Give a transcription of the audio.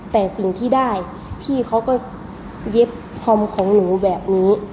แต่สิ่งที่ได้พี่เขาก็เย็บธอมของหนูแบบนี้